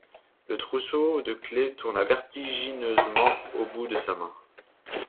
Le trousseau de clef tourna vertigineusement au bout de sa main.